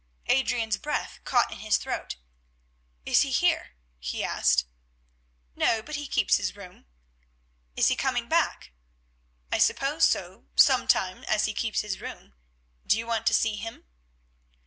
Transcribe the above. Adrian's breath caught in his throat. "Is he here?" he asked. "No, but he keeps his room." "Is he coming back?" "I suppose so, sometime, as he keeps his room. Do you want to see him?"